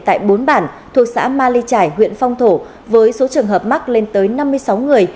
tại bốn bản thuộc xã ma ly trải huyện phong thổ với số trường hợp mắc lên tới năm mươi sáu người